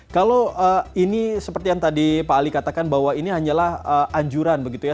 kalau ini seperti yang tadi pak ali katakan bahwa ini hanyalah anjuran begitu ya